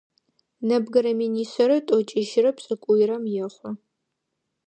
Нэбгырэ минишъэрэ тӏокӏищрэ пшӏыкӏуйрэм ехъу.